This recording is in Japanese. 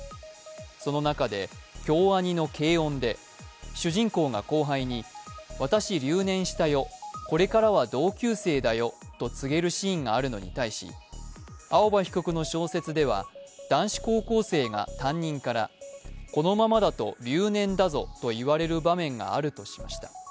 その中で京アニの「けいおん！」で主人公が後輩に「私留年したよ、これからは同級生だよ」と告げるシーンがあるのに対し青葉被告の小説では、男子高校生が担任から「このままだと留年だぞ」と言われる場面があるとしました。